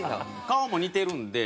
顔も似てるんで。